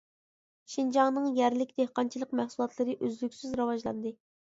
شىنجاڭنىڭ يەرلىك دېھقانچىلىق مەھسۇلاتلىرى ئۆزلۈكسىز راۋاجلاندى.